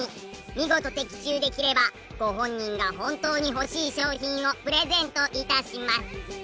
見事的中できればご本人が本当に欲しい商品をプレゼント致します。